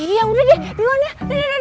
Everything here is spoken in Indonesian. iya udah deh duluan ya duh duh duh